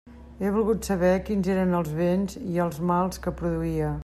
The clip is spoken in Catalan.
He volgut saber quins eren els béns i els mals que produïa.